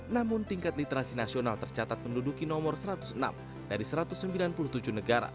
namun tingkat literasi nasional tercatat menduduki nomor satu ratus enam dari satu ratus sembilan puluh tujuh negara